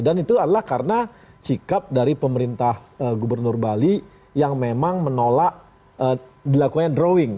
dan itu adalah karena sikap dari pemerintah gubernur bali yang memang menolak dilakukannya drawing